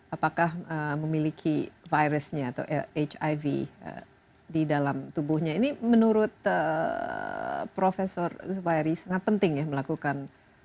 apakah memiliki virusnya atau hiv di dalam tubuhnya ini menurut profesor zubairi sangat penting ya melakukan